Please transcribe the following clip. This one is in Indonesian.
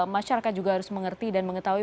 masyarakat juga harus mengerti dan mengetahui